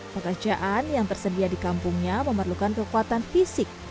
pekerjaan yang tersedia di kampungnya memerlukan kekuatan fisik